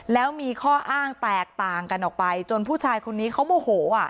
แล้วมีข้ออ้างแตกต่างกันออกไปจนผู้ชายคนนี้เขาโมโห